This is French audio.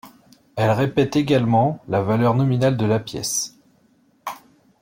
Elles répètent également la valeur nominale de la pièces.